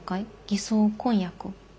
偽装婚約？